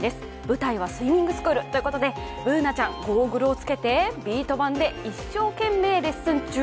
舞台はスイミングスクールということでＢｏｏｎａちゃん、ゴーグルを着けて、ビート板で一生懸命レッスン中。